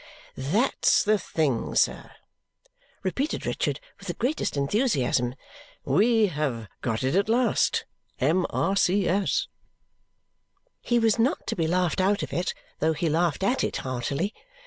"That's the thing, sir," repeated Richard with the greatest enthusiasm. "We have got it at last. M.R.C.S.!" He was not to be laughed out of it, though he laughed at it heartily.